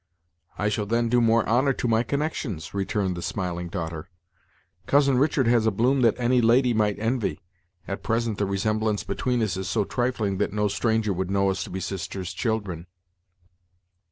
"I shall then do more honor to my connections," returned the smiling daughter. "Cousin Richard has a bloom that any lady might envy. At present the resemblance between us is so trifling that no stranger would know us to be 'sisters' children."